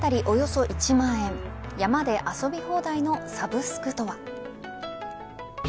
およそ１万円山で遊び放題のサブスクとは。